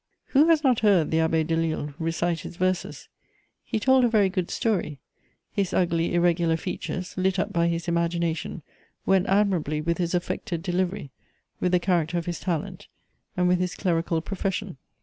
Who has not heard the Abbé Delille recite his verses? He told a very good story: his ugly, irregular features, lit up by his imagination, went admirably with his affected delivery, with the character of his talent, and with his clerical profession.